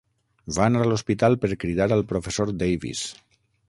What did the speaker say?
Va anar a l'hospital per cridar al Professor Davis.